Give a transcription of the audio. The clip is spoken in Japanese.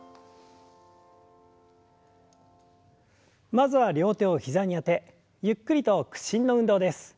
まずは両手を膝にあてゆっくりと屈伸の運動です。